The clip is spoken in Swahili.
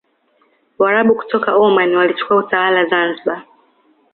Waarabu kutoka Omani walichukua utawala Zanzibar